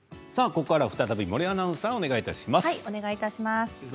ここからは再び森アナウンサーお願いします。